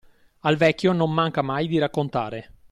Al vecchio non manca mai di raccontare.